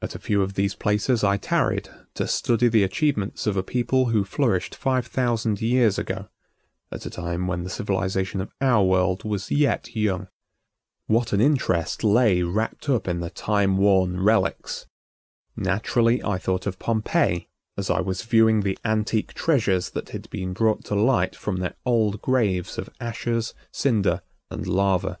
At a few of these places I tarried to study the achievements of a people who flourished five thousand years ago, at a time when the civilization of our world was yet young. What an interest lay wrapped up in the time worn relics! Naturally I thought of Pompeii as I was viewing the antique treasures that had been brought to light from their old graves of ashes, cinder and lava.